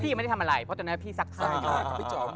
ยังไม่ได้ทำอะไรเพราะตอนนั้นพี่ซักผ้าอยู่